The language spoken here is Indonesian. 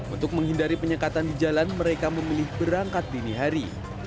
untuk menghindari penyekatan di jalan mereka memilih berangkat dini hari